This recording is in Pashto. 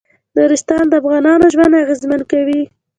نورستان د افغانانو ژوند اغېزمن کوي.